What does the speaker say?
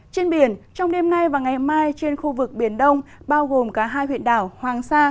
trên biển trong đêm nay và ngày mai trên khu vực biển đông bao gồm cả hai huyện đảo hoàng sa